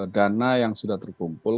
dana yang sudah terkumpul